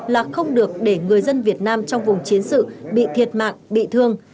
là không được để người dân việt nam trong vùng chiến sự bị thiệt mạng bị thương